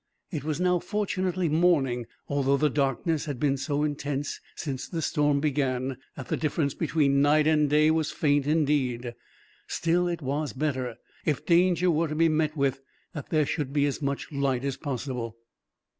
It was now, fortunately, morning; although the darkness had been so intense, since the storm began, that the difference between night and day was faint, indeed. Still it was better, if danger were to be met with, that there should be as much light as possible.